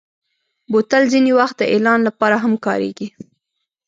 بوتل ځینې وخت د اعلان لپاره هم کارېږي.